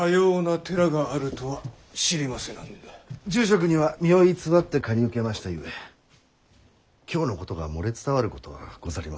住職には身を偽って借り受けましたゆえ今日のことが漏れ伝わることはござりませぬ。